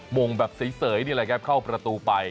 งงแบบเฉยนี่แหละครับเข้าประตูไป